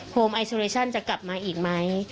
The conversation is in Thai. โฮมไอซัลเลชั่นจะกลับมาอีกไหม